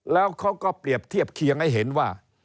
แล้วเขาก็เปรียบเทียบเคียงให้เห็นว่า